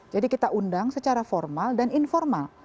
jadi kita undang secara formal dan informal